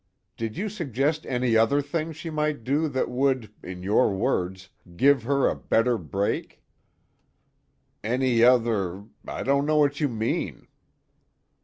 "Did you suggest any other thing she might do that would, in your words, give her a better break?" "Any other I don't know what you mean."